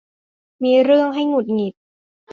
มีเรื่องให้หงุดหงิด